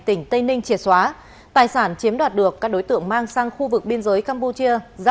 tỉnh tây ninh triệt xóa tài sản chiếm đoạt được các đối tượng mang sang khu vực biên giới campuchia ra